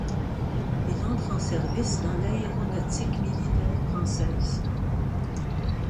Il entre en service dans l'aéronautique militaire française.